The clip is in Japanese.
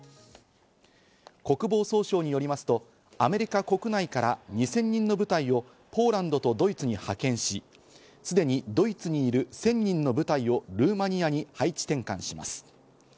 国防総省によりますと、アメリカ国内から２０００人の部隊をポーランドとドイツに派遣し、すでにドイツにいる１０００人の部隊をルーマニアに配置転換します。